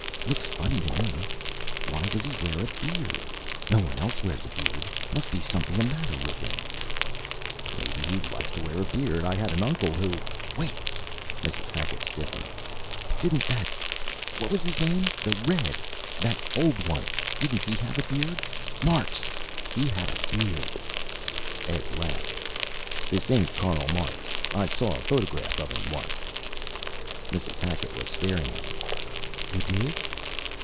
"Looks funny to me. Why does he wear a beard? No one else wears a beard. Must be something the matter with him." "Maybe he likes to wear a beard. I had an uncle who " "Wait." Mrs. Hacket stiffened. "Didn't that what was his name? The Red that old one. Didn't he have a beard? Marx. He had a beard." Ed laughed. "This ain't Karl Marx. I saw a photograph of him once." Mrs. Hacket was staring at him. "You did?"